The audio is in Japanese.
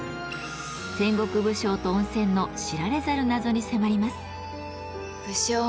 戦国武将と温泉の知られざる謎に迫ります。